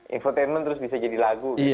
infotainment terus bisa jadi lagu gitu